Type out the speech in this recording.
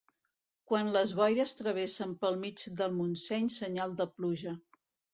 Quan les boires travessen pel mig del Montseny, senyal de pluja.